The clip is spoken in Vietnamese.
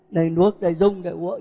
để nuốt để dung để uống